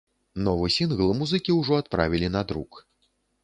Новы сінгл музыкі ўжо адправілі на друк.